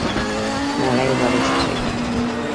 نړۍ ولې ښکلې ده؟